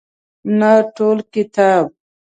نه ټول کتاب.